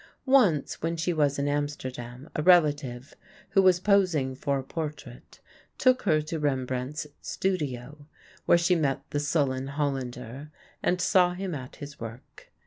Once when she was in Amsterdam a relative, who was posing for a portrait, took her to Rembrandt's studio, where she met the sullen Hollander and saw him at his work.